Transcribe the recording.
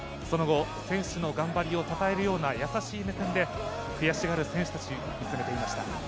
選手の頑張りをたたえるような優しい目線で、悔しがる選手たちを慰めていました。